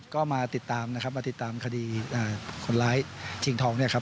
ก็มาติดตามคดีคนร้ายชิงทองเนี่ยครับ